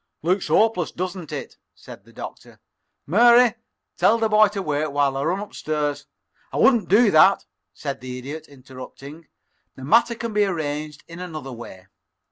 "Looks hopeless, doesn't it," said the Doctor. "Mary, tell the boy to wait while I run up stairs " "I wouldn't do that," said the Idiot, interrupting. "The matter can be arranged in another way.